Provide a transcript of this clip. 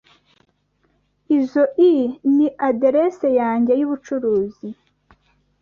Izoi ni aderesi yanjye yubucuruzi.